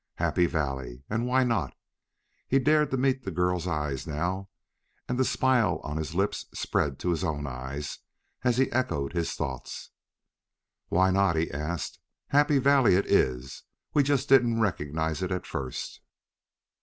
Happy Valley and why not? He dared to meet the girl's eyes now, and the smile on his lips spread to his own eyes, as he echoed his thoughts: "Why not?" he asked. "Happy Valley it is; we just didn't recognize it at first."